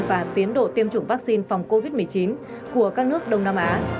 và tiến độ tiêm chủng vaccine phòng covid một mươi chín của các nước đông nam á